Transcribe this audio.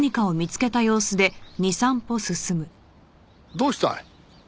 どうしたい？